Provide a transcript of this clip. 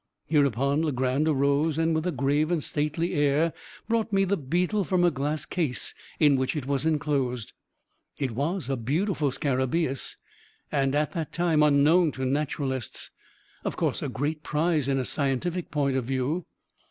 Hereupon Legrand arose, with a grave and stately air, and brought me the beetle from a glass case in which it was enclosed. It was a beautiful scarabaeus, and, at that time, unknown to naturalists of course a great prize in a scientific point of view.